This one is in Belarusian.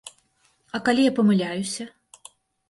А калі я памыляюся?